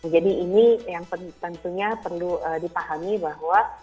jadi ini yang tentunya perlu dipahami bahwa